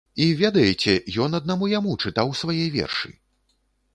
І, ведаеце, ён аднаму яму чытаў свае вершы!